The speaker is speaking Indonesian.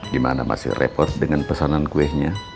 gimana masih repot dengan pesanan kuehnya